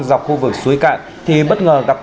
dọc khu vực suối cạn thì bất ngờ gặp